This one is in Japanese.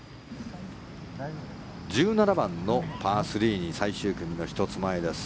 １７番のパー３に最終組の１つ前です。